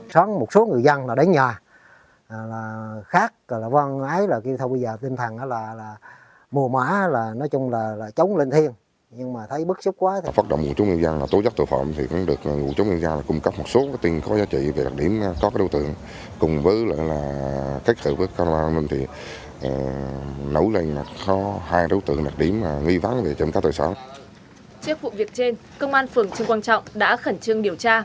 trước vụ việc trên công an phường trương quang trọng đã khẩn trương điều tra